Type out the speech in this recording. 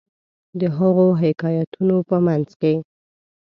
د هغو حکایتونو په منځ کې.